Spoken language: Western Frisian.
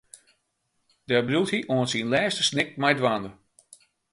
Dêr bliuwt hy oant syn lêste snik mei dwaande.